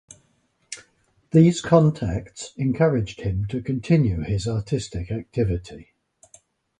These contacts encouraged him to continue his artistic activity.